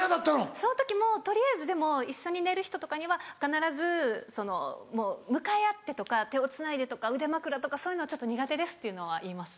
その時も取りあえずでも一緒に寝る人とかには必ずそのもう向かい合ってとか手をつないでとか腕枕とかそういうのはちょっと苦手ですっていうのは言います。